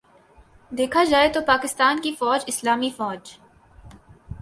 دیکھا جائے تو پاکستان کی فوج اسلامی فوج